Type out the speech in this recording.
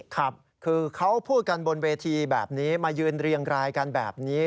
ครับคือเขาพูดกันบนเวทีแบบนี้มายืนเรียงรายกันแบบนี้